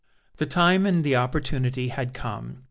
The time and the opportunity had come.